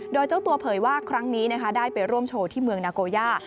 โดยเจ้าตัวเผยว่าครั้งนี้ได้ไปร่วมโชว์ที่เมืองนาโกย่า